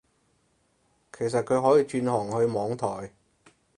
其實佢可以轉行去網台